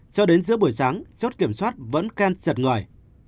cho đến giữa buổi sáng chốt kiểm soát vẫn khen chật người